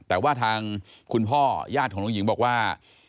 แต่ว่าทางคุณพ่อญาติของน้องหญิงบอกว่า